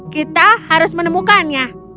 kita harus menemukannya